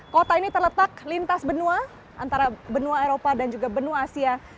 kota ini terletak lintas benua antara benua eropa dan juga benua asia